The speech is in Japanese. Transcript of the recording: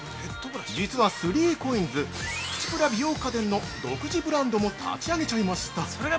◆実は３ＣＯＩＮＳ、プチプラ美容家電の独自ブランドも立ち上げちゃいました。